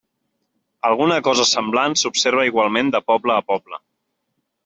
Alguna cosa semblant s'observa igualment de poble a poble.